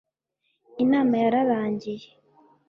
inama yararangiye